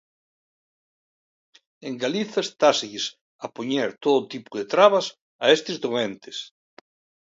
En Galiza estáselles a poñer todo tipo de trabas a estes doentes.